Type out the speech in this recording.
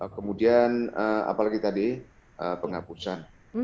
kemudian apalagi tadi penghapusan